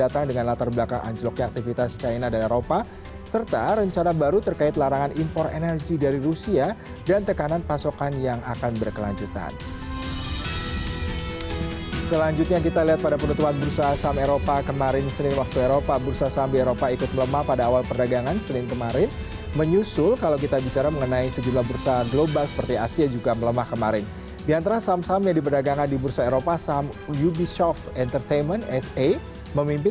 kondisi tersebut akan memicu ketidakpastian ekonomi global serta kemungkinan resesi